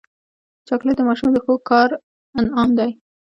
چاکلېټ د ماشوم د ښو کار انعام دی.